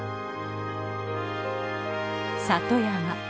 里山。